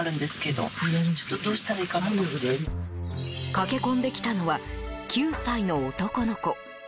駆け込んできたのは９歳の男の子。